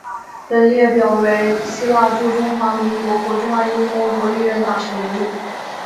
本列表为希腊驻中华民国和中华人民共和国历任大使名录。